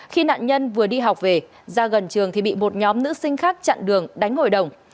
khi nạn nhân vừa đi học về ra gần trường thì bị một nhóm nữ sinh khác chặn đường đánh hội đồng